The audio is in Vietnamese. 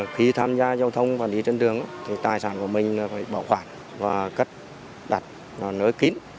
khi tham gia giao thông và đi trên đường thì tài sản của mình phải bảo khoản và cất đặt nó nới kín